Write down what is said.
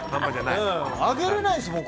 上げれないですもん。